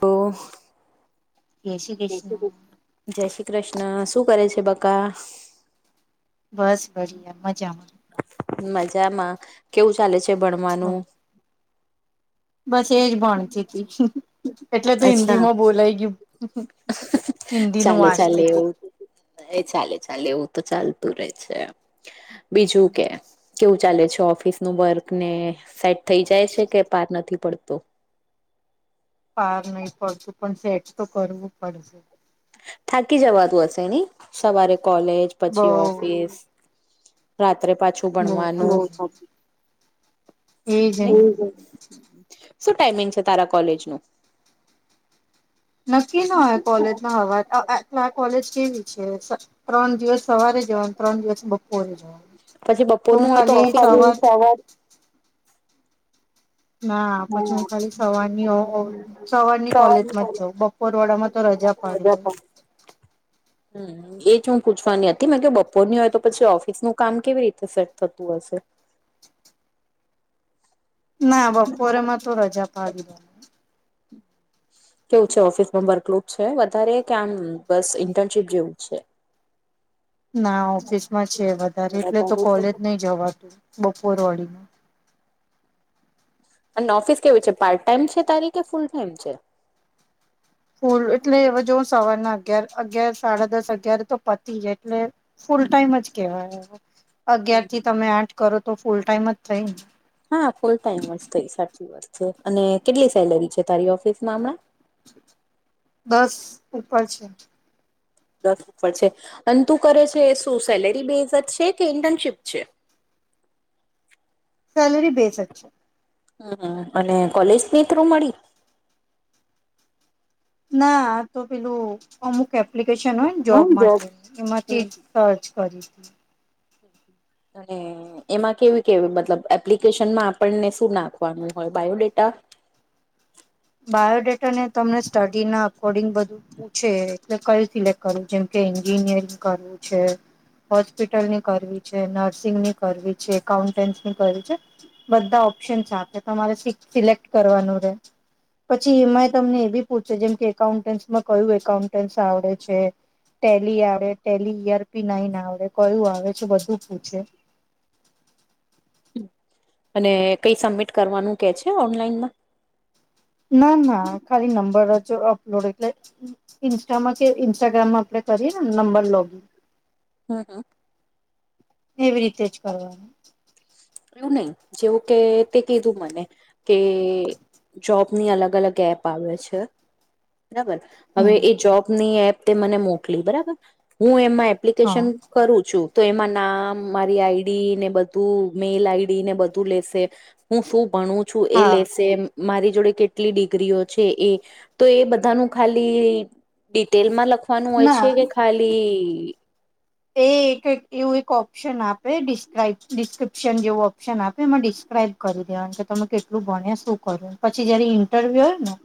હાલો જય શ્રી કૃષ્ણ જય શ્રી કૃષ્ણ શું કરે છે બકા બસ [unintelligible] મજામાં મજામાં કેવું ચાલે છે ભણવાનું બસ એજ ભણતી તી એટલે તો હિન્દી અચ્છા માં બોલાય ગયું હિન્દી નું ચાલે ચાલે વાંચતી તી એવું એ ચાલે ચાલે એવું તો ચાલતું રે છે બીજું કે કેવું ચાલે છે ઓફિસ નું વર્ક ને સેટ થઈ જાય છે કે પાર નથી પડતું પાર નહી પડતું પણ સેટ તો કરવું પડશે થાકી જવાતું હશે નહીં સવારે કોલેજ બઉ પછી ઓફિસ રાત્રે પાછું બઉ થાકી ભણવાનું ગઈ એજ ને શું ટાઈમિંગ છે તારા કોલેજ નું? નક્કી ના હોય કોલેજ ના હવાટલે આ કોલેજ કેવી છ ત્રણ દિવસ સવારે જવાનું ત્રણ દિવસ બપોરે જવાનું પછી તો હું બપોરનું હોય ખાલી ઓફિસ નું સવાર ના પછી હું ખાલી સવાર ની હોઉ સવારની કોલેજ માં જ જઉ બપોર વાડામાં તો રજા પાડી દઉ. હમ્મ. એ જ હું પૂછવાની હતી મેં કે બપોરની હોય તો પછી ઓફિસ નું કામ કેવી રીતે સેટ થતું હશે. ના બપોરેમાં તો રજા પાડી દાઉ. કેવું છે ઓફિસમાં વર્કલોડ છે વધારે કે આમ બસ ઇન્ટર્નશીપ જેવું છે. ના ઓફિસ માં છે વધારે એટલે તો કોલેજ નહી જવાતું બપોર વળીનું. અને ઓફિસ કેવું છે પાર્ટ ટાઈમ છે તારી કે ફૂલ ટાઈમ છે? ફૂલ એટલે હો જો સવારના અગિયાર અગિયાર સાડા દસ અગિયાર તો પતી જ એટલે ફૂલ ટાઈમ જ કેવાય હમ અગિયાર હમ થી તમે આઠ કરો તો ફૂલ ટાઈમ જ થઈને. હા, ફૂલ ટાઈમ અજ થઈ સાચી વાત છે અને કેટલી સેલેરી છે તારી ઓફિસમાં હમણાં? દસ ઉપર છે. દસ ઉપર છે. અને તું કરે છે શું સેલેરી બેઝ છે કે ઇન્ટર્નશીપ છે? સેલરી બેઝ અજ છે. હા અને કોલેજની થ્રુ મળી ના તો પેલું અમુક એપ્લિકેશન હોય ને જોબ માટે હમ એમાંથી સર્ચ કરી તી. [inaudible] નહીં. એમાં કેવી કેવી મતલબ એપ્લિકેશન માં આપણને શું નાખવાનું હોય બાયોડેટા? બાયોડેટા ને તમને સ્ટડી ના અકોર્ડિંગ બધું હું છે એટલે કયું સિલેક્ટ કરવું જેમ કે એન્જિનિયરિંગ કરવું છે. હોસ્પિટલની કરવી છે, નર્સિંગની કરવી છે, એકાઉન્ટન્સની કરવી છે બધા ઓપ્શન આપે તમારે સિ-સિલેક્ટ કરવાનું રે. પછી એમાંય તમને એ બી પૂછે જેમ કે એકાઉન્ટન્ટસમાં કયું એકાઉન્ટન્ટસ આવડે છે. ટેલી આવેે ટેલી યર પી નાઈને આવડે કયું આવે છે બધું પૂછે. અને કઈ સબમિટ કરવાનું કે છે ઓનલાઈનમાં? ના ના ખાલી નંબર જ અપલોડ એટલે ઇન્સ્ટામાં કે ઇન્સ્ટાગ્રામમાં આપડે કરીયએ ને નંબર લોગિંગ હા, હા. એવી રીતે જ કરવાનું. એવું નહી જેવું કે તે કીધું મને કે જોબની અલગ અલગ એપ આવે છે. બરાબર હવે હમ એ જોબની એપ મને મોકલી બરાબર હું એમાં હા એપ્લિકેશન કરું છું તો એમાં નામ મારી આઈડી ને બધું મેલ આઈડી ને બધું લેશે હું શું ભણું છું એ હા લેશે મારી જોડે કેટલી ડિગ્રીઓ છે એ તો એ બધાનું ખાલી ડિટેલમાં લખવાનું હોય ના છે કે ખાલી એ એક એક એવું એક ઓપ્શન આપે ડિસ્ક્રાઈબ ડિસ્ક્રિપ્શન જેવું ઓપ્શન આપે એમાં ડિસ્ક્રાઈબ કરી દેવાનું કે તમે કેટલું ભાણિયા શું કરું પછી જયારે ઇન્ટરવ્યુ હોય ને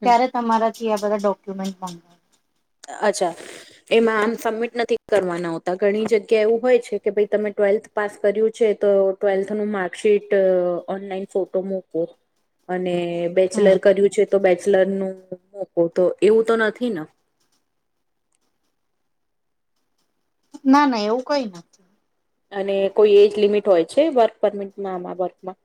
હમ ત્યારે તમારાથી આ બધા ડોક્યુમેન્ટ અચ્છા એમાં આમ સબમિટ નથી કરવાના હોતા. ઘણી જગ્યા એવું હોય છે કે ભાઈ તમે ટ્વેલ્થ પાસ કર્યું છે તો ટ્વેલ્થ નું માર્કશીટ ઓનલાઈન ફોટો મૂકો અને હમ બેચલર કર્યું છે, તો બેચલર નું મોકો તો એવું તો નથી ને ના ના એવું કઈ ના અને કોઈ એજ લિમિટ હોય છે વર્ક પરમિટમાં આમાં વર્કમાં.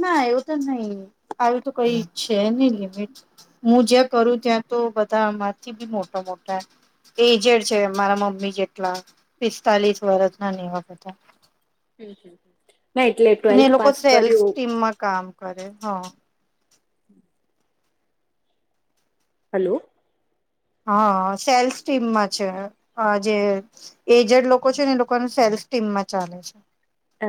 ના એવું તો નહીિ આવી તો કઈ ઈ્ છે નહી લિમિટ, હું જ્યાં કરું ત્યાં તો બધા આમાંથી બી મોટા મોટા એજેડ છે મારા મમ્મી જેટલા પિસ્તાલીસ વર્ષ ના વા હતા હ મે એટલે ટ્વેલ્થ પાસ કર્યું. મકામ કરે હા, હલો! હા સેલ્ફ ટીમમાં છે આ જે એજડ લોકો છે ને એ લોકોને સેલ્ફ ટીમમાં ચાલે છે.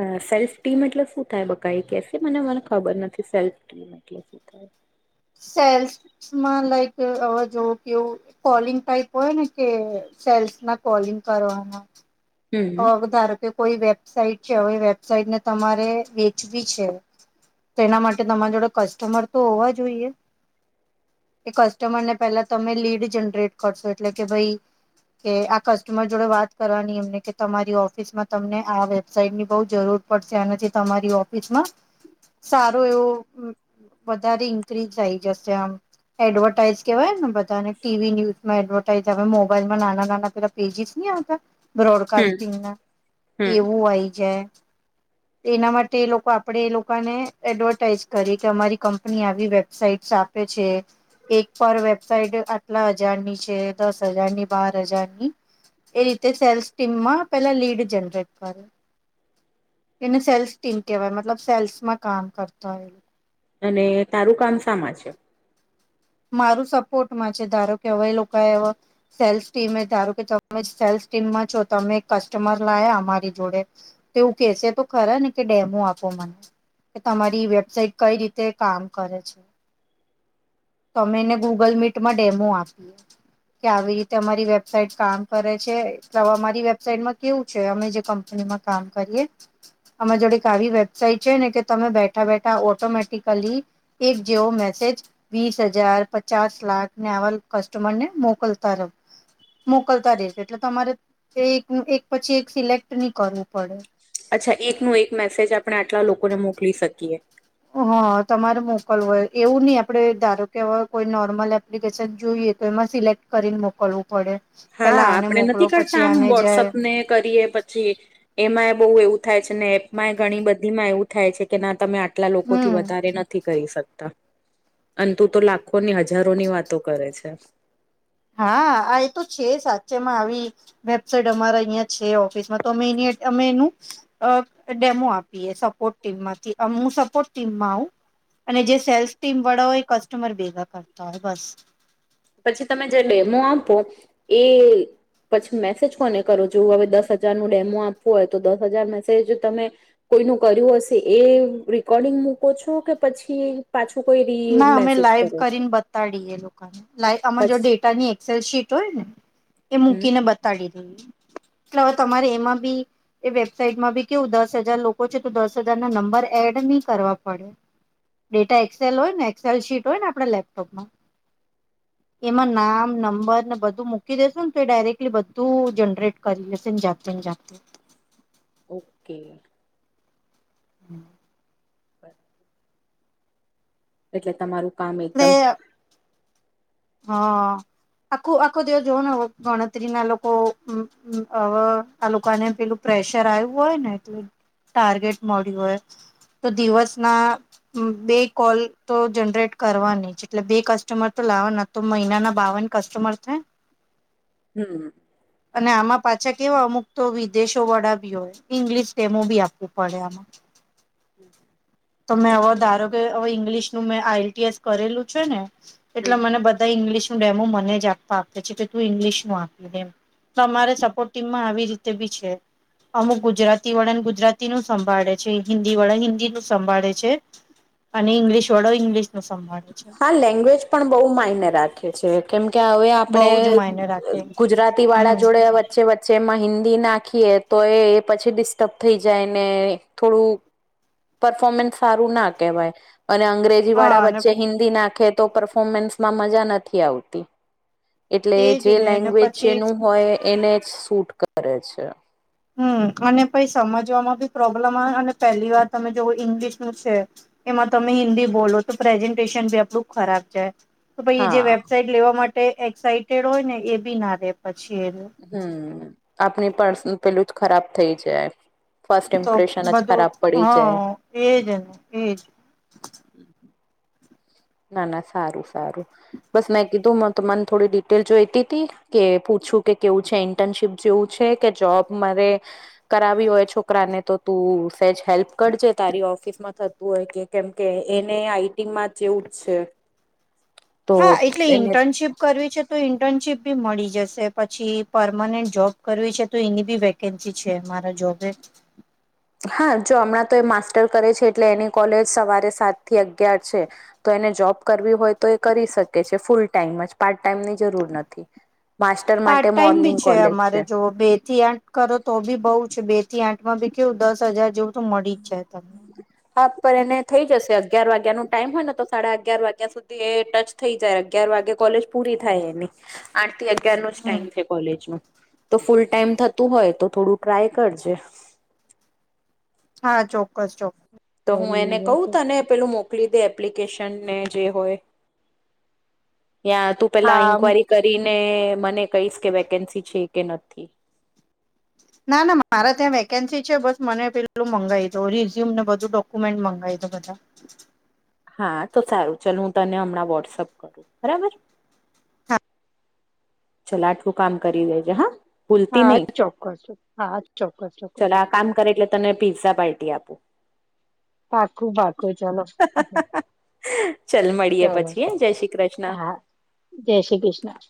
અ સેલ્ફ ટીમ એટલે શું થાય બકાઈ કે મને મને ખબર નથી, સેલ્ફ ટીમ એટલે શું થાય? સેલ્સમાં લાઈક હવે જોવ કેવું કોલિંગ ટાઈપ હોય ને કે સેલ્સ ના કોલિંગ કરવાના. હમ ધારો કે કોઈ વેબસાાઈટ છે, હવે વેબસાઇટ ને તમારે વેચવી છે. તો એના માટે તમારી જોડે કસ્ટમર તો હોવા જોઈએ.? એ કસ્ટમર ને પેલા તમે લીડ જનરેટ કરશો એટલે કે ભાઈ કે આ કસ્ટમર જોડે વાત કરવાની એમને તમારી ઓફિસ માં તમને આ વેબસાાઈટ ની બઉ જરૂર પડશે આનાથી તમારી ઓફિસમાં સારો એવો વધારે ઇન્ક્રીઝ થઇ જશે આમ એડવર્ટાઈઝ કેવાયને.? ટીવી ન્યુઝમાં એડવર્ટાઈઝ મોબાઈલમાં નાના નાના પેલા પેજીસ ન આવતા હમ બ્રોડકાસ્ટ એવું આઈ જાય. હ. એના માટે એ લોકો આપણે એ લોકોને એડવર્ટાઈઝ કરીએ કે અમારી કંપની આવી વેબસાઇટ્સ આપે. પછી. એક પર વેબસાઇટ આટલા હજારની છે દસ હજારની બાર હજારની એ રીતે સેલ્સ ટીમમાં પેલા લીડ જનરેટ કરે. એને સેલ્સ થથીંક કહેવાય મતલબ સેલ્સમાં કામ કરતા હોય એ. અને તારું કામ સા મા છે.? મારું સપોર્ટમાં છે. ધારો કેવાય એ લોકો એ સેલ્ફ ટીમે ધારો કે તમે સેલ્ફ ટીમમાં છો તમે કસ્ટમર લયા અમારી જોડે તેવું કેશે તો ખરા ને કે ડેમો આપો મને. કે તમારી વેબસઇટ કઈ રીતે કામ કરે છે.? તો અમે એને ગૂગલ મીટમાં ડેમો આપીએ. કે આવી રીતે અમારી વેબસાાઈટ કામ કરે છે તો અમારી વેબસાાઈટમાં કેવું છે અમે જે કંપનીમાં કામ કરીએ. અરી જોડે એક આવી વેબસાઇટ છે ને કે તમે બેઠા બેઠા ઓટોમેટિકલી એક જેવો મેસેજ વીસ હજાર પચાસ લાખ ને આવાલ કસ્ટમરને મોકલતા રહો. મોકલતા રેશે એટલે તમારે, એક-એક પછી એક સિલેક્ટ નહી કરવું પડે. અચ્છા, એક નો એક મેસેજ આપણે આટલા લોકોને મોકલી શકીએ. ઓ.. હા તમારે મોકલવય, એવું નહી આપડે ધારો કેવાય કોઈ નોર્મલ એપ્લિકેશન જોઈએ તો, એમાં સિલેક્ટ કરીને મોકલવું પડે. હા, પેલા આને આપણે નથી મોકલો કરતા પછી આમ આને વોટ્સઅપ જાય ને કરીએ પછી. પી એમાંય બહુ એવું થાય છે ને, એપમાં એ ઘણી બધી માં એવું. થાય છે કે ના તમે આટલા લોકોથી હમ વધારે નથી કરી શકતા. અને તું તો લાખોની, હજારો ની વાતો કરે છે. હા.. આ, એ તો છે સાચેમાં આવી. વેબસાઇટ અમારા અહીંયા છે, ઓફિસમાં તો અમે એની અમે એનું. અ ડેમો આપીએ સપોર્ટ ટીમમાંથી, હું સપોર્ટ ટીમમાં આવું. અને જે સેલ્સ ટીમ વાળા હોય એ કસ્ટમર ભેગા કરતા હોય બસ. પછી તમે જે ડેમો આપો એ... પછી મેસેજ કોને કરો જેવું હવે દસ હજાર નો ડેમો આપવું હોય તો, દસ હજાર મેસેજ તમે કોઈનું કર્યું હશે એ રેકોર્ડિંગ મૂકો છો કે પછી. પાછું કોઈ રી મેસેજ કરો છો. બડી એ લોકોને, લાઈક આમાં જો પછી ડેટાની એક્સેલ શીટ હોય ને એ હમ મૂકીને બતાવની. એટલે હવે તમારે એમાં બી. એ વેબસાાઈટમાં બી કેવું દસ હજાર લોકો છે તો દસ હજાર ના નંબર એડ નહી કરવા પડે. ડેટા એક્સેલ હોય ને એક્સેલ શીટ હોય ને આપડા લેપટોપમાં. [unintelligible] એમાં નામ, નંબર ને બધું મૂકી દેસો ને તો ડાયરેક્ટલી બધું જનરેટ કરી એ છે ન જાતે-જાત. ઓકે. હમ બ એટલે તમારું કામ એકદમ. હ.. આખું-આખો દિવસ જોવો ને ગણતરી ના લોકો હવે, આ લોકો ને પેલું પ્રેશર આયુ હોય ને એટલે. ટાર્ગેટ મળ્યું હોય, તો દિવસ ના બે કોલ તો જનરેટ કરવાની જ એટલે બે કસ્ટમર તો લાવવા નથી. તો મહિના ના બાવન કસ્ટમર થાય. હમ અને આમાં પાછા કેવા અમુક તો વિદેશો વડા બી હોય. ઇંગ્લિશ ડેમો બી આપવું પડે આમાં હ.. તો મેં હવે ધારો કે હવે ઈંગ્લિશ નું મેં આઈલટીએસ કરેલું છે ને. એટલે હમ મને બધા ઇંગ્લિશનું ડેમો મને જ આપવા આપે છે કે, તું ઇંગ્લિશ નું આપ એમ. તમારે સપોર્ટ ટીમમાં આવી રીતે બી છે. અમુક ગુજરાતી વાળા ગુજરાતી નું સંભાળે છે, હિન્દી વાળા હિન્દી નું સંભાળે છે. અને ઇંગ્લિશ વાળા ઇંગ્લિશ નો સંભાળે છે. આ લેંગ્વેજ પણ બહુ માઇનર કેમ કે, હવે આપણે બહુ જ માયને રાખે ગુજરાતી વાળા હમ જોડે વચ્ચે-વચ્ચે એમાં હિન્દી નાખીએ તો એ પછી ડિસ્ટર્બ થઈ જાય ને થોડું પરફોમન્સ સારું ના કવાય અને અંગ્રેજ હા વા અને વચ્ચે હિન્દી નાખે તો પરફોર્મન્સમાં મજા નથી આવતી. એટલે એજ જે ને ને લેંગ્વેજ પછી જેનું હોય એને જ સૂટ કરે છે. હમ અને પઈ સમજવામાં બી પ્રોબ્લેમ આવે અને પહેલી વાર તમે જોવ ઇંગ્લિશ નું છે. એમાં તમે હિન્દી બોલો તો પ્રેઝન્ટેશન ભી આપડું ખરાબ જાય. તો પાઈ એ જે હા વેબસાાઈટ લેવા માટે એક્સાઈટેડ હોય ને એ બી ના રે પછી એ. હમ, આપણી પર્સન પેલું જ ખરાબ થઇ જાય. ફર્સ્ટ ઇમ્પ્રેશન જ ખરાબ પડી જાય. એજન એજ. હમ. ના ના સારું સારું, બસ મેં કીધું તમારી થોડી ડિટેલ જોઈતી હતી. કે પૂછું કે કેવું છે ઇન્ટર્નશીપ જેવું છે કે જોબ મારે. કરાવી હોય છોકરા ને તો તું તેજ હેલ્પ કરજે તારી ઓફિસમાં થતું હોય કે કેમ કે એને આઈટિંગમાં જેવું અ છે. તો હા એટલે એને ઇન્ટર્નશીપ કરવી છે. તો ઇન્ટર્નશીપ બી મળી જશે પછી પરમનન્ટ જોબ કરવી છે તો એની બી વ કેમથી છે મારા જોબે. હા જો હમણાં તો એ માસ્ટર કરે છે એટલે એની કોલેજ સવારે સાત થી અગિયાર છે. તો એને જોબ કરવી હોય તો એ કરી શકે છે ફૂલ ટાઈમ જ પાર્ટ ટાઈમની જરૂર નથી. માસ્ટર માટે પાર્ટ ટાઈમ મોર્નિંગ બી છે કોલેજ અમારે જો બે થી આઠ. કરો તો બી બઉુ છે બે થી આઠ માં બી કેવું દસ હજાર જેવું તો મળી જ જાય તમને. હા પણ એને થઈ જશે અગિયાર વાગ્યા ન ટાઈમ હોય ને તો સાડા અગિયાર વાગ્યા સુધી એ ટચ થઈ જાય અગિયાર વાગે કોલેજ પૂરી થાય એની, આઠ થી અગિયાર નો જ હમ ટાઈમ થાય કોલેજ ન. તો ફૂલ ટાઈમ થતું હોય તો થોડું ટ્રાય કરજે. હા ચોક્કસ ચોક્ તો હું એને કહું તને પેલું મોકલી દે. એપ્લિકેશન ને જે હોય, તું પેલા હા ઇન્કવાયરી કરીને, મને કહીશ કે, વેકેન્સી છે કે નથી. ના ના મારા ત્યાં વેકેન્સી છે બસ મને પેલું મંગાવી દો રિઝ્યુમ ને બધું ડોક્યુમેન્ટ મંગાવી દો બધા. [inaudible] હા તો સારું ચાલો હું તને હમણાં વોટ્સઅપ કરું બરાબર. હા ચાલ આટલું કામ કરી દેજે હા. ભૂલતી હા નહી ચોક્કસ હા ચોક્કસ ચાલ ચોક્કસ. આ કામ કરે એટલે તને પીઝા પાર્ટી આપુ. પાકું પાકુ ચાલો. ચલ મળીએે પછી જય શ્રી કૃષ્ણ. હા જય શ્રી કૃષ્ણ.